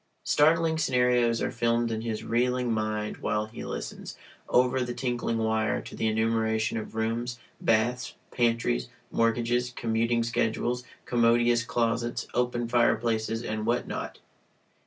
Startling scenarios are filmed in his reeling mind while he listens, over the tinkling wire, to the enumeration of rooms, baths, pantries, mortgages, commuting schedules, commodious closets, open fireplaces, and what not.